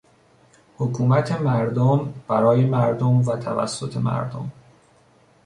حکومت مردم، برای مردم و توسط مردم